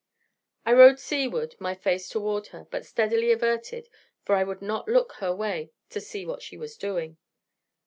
I rowed sea ward, my face toward her, but steadily averted, for I would not look her way to see what she was doing.